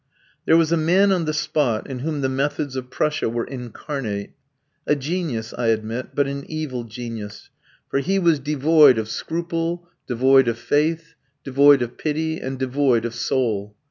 There was a man on the spot in whom the methods of Prussia were incarnate a genius, I admit, but an evil genius; for he was devoid of scruple, devoid of faith, devoid of pity, and devoid of soul.